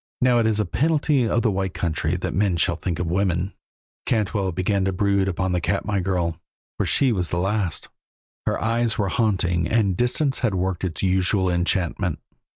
Now it is a penalty of the White Country that men shall think of women; Cantwell began to brood upon the Katmai girl, for she was the last; her eyes were haunting and distance had worked its usual enchantment.